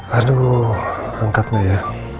aduh angkatlah ya